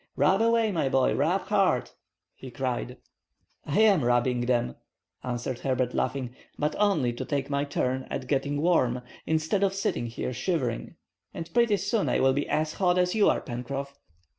"Rub away, my boy; rub hard!" he cried. "I am rubbing them," answered Herbert, laughing, "but only to take my turn at getting warm, instead of sitting here shivering; and pretty soon I will be as hot as you are, Pencroff!"